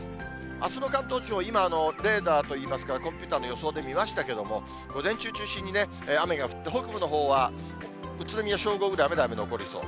あすの関東地方、今、レーダーといいますか、コンピューターの予想で見ましたけれども、午前中を中心にね、雨が降って、北部のほうは宇都宮、正午ぐらい雨残りそう。